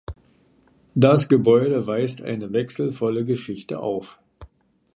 Das Gebäude weist eine wechselvolle Geschichte auf.